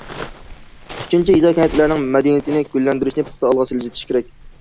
ئۈچىنچى، يېزا- كەنتلەرنىڭ مەدەنىيىتىنى گۈللەندۈرۈشنى پۇختا ئالغا سىلجىتىش كېرەك.